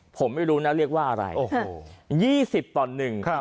ผมไม่รู้นะเรียกว่าอะไรโอ้โหยี่สิบต่อหนึ่งครับ